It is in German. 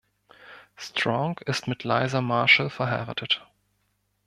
Strong ist mit Liza Marshall verheiratet.